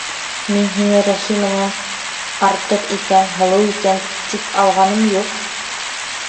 Мин һине Рәхимәнән артыҡ икән, һылыу икән, тип алғаным юҡ.